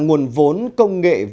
nguồn vốn công nghiệp quốc tế